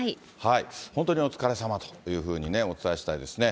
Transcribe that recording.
本当にお疲れさまというふうにお伝えしたいですね。